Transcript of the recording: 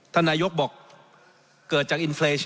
ท่านนายยกบอกเกิดจาก